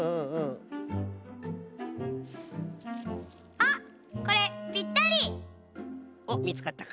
あっこれピッタリ！おっみつかったか。